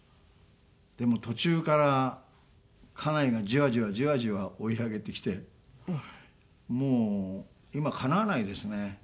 でも途中から家内がジワジワジワジワ追い上げてきてもう今かなわないですね。